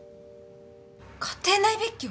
家庭内別居！？